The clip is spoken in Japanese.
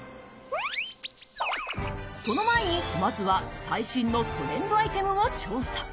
その前に、まずは最新のトレンドアイテムを調査。